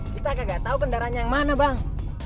kita kagak tau kendaraan yang mana bang